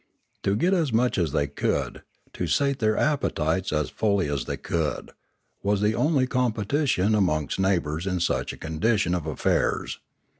To get as much as they could, to sate their appetites as fully as 53° Limanora they could, was the only competition amongst neigh bours in such a condition of affairs.